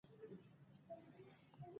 فریدګل حیران شو خو هغه ته یې ټینګه غېږه ورکړه